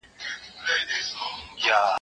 زه مطالعه نه کوم؟!